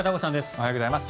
おはようございます。